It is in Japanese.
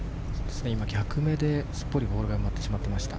逆目ですっぽりボールが埋まってしまっていました。